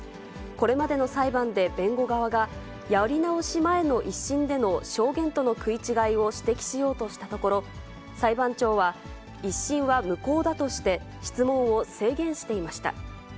これまでの裁判で弁護側がやり直し前の１審での証言との食い違いを指摘しようとしたところ、裁判長は１審は無効だとして、質問を制限していました。